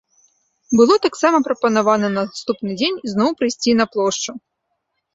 Было таксама прапанавана на наступны дзень зноў прыйсці на плошчу.